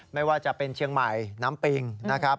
ไม่ว่าจะเป็นเชียงใหม่น้ำปิงนะครับ